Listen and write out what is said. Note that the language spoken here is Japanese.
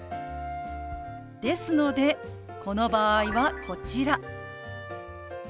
ですのでこの場合はこちら。